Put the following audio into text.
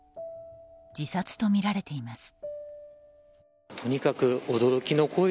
自殺とみられています。